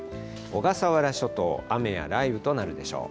小笠原諸島、雨や雷雨となるでしょう。